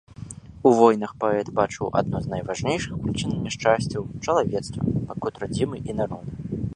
У войнах паэт бачыў адну з найважнейшых прычын няшчасцяў чалавецтва, пакут радзімы і народа.